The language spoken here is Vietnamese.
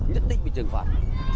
nhất định bị trừng phạt